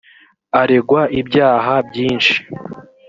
aregwa ibyaha byinshi.